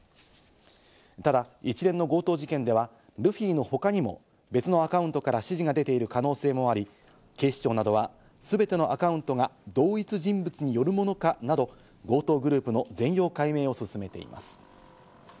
ただ、一連の強盗事件ではルフィのほかにも別のアカウントから指示が出ている可能性もあり、警視庁などは全てのアカウントが同一人物によるものかなど、強盗グループの全容解明を進めています。